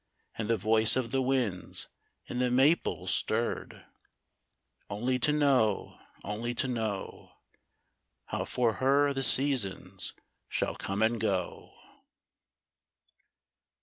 And the voice of the winds in the maples stirred ; Only to know, only to know. How for her the seasons shall come and go